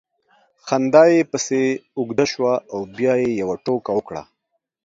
خندا یې پسې اوږده سوه او بیا یې یوه ټوکه وکړه